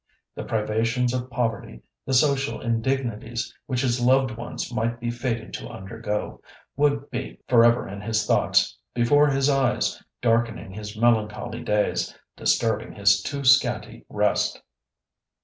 The privations of poverty, the social indignities which his loved ones might be fated to undergo, would be forever in his thoughts, before his eyes, darkening his melancholy days, disturbing his too scanty rest.